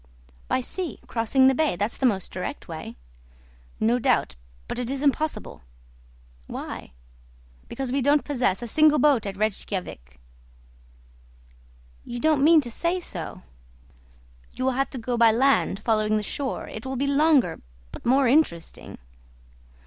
"By sea, crossing the bay. That's the most direct way." "No doubt; but it is impossible." "Why?" "Because we don't possess a single boat at Rejkiavik." "You don't mean to say so?" "You will have to go by land, following the shore. It will be longer, but more interesting."